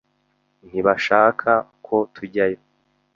Ntibashaka ko tujyayo.